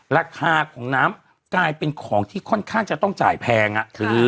ราคาของน้ำกลายเป็นของที่ค่อนข้างจะต้องจ่ายแพงอ่ะ